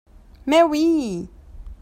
Mais oui !